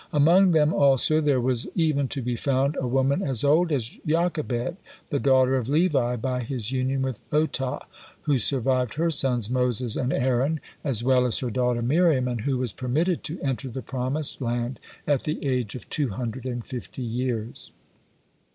Among them also there was even to be found a woman as old as Jochebed the daughter of Levi by his union with Otah who survived her sons Moses and Aaron, as well as her daughter Miriam, and who was permitted to enter the promised land at the age of two hundred and fifty years.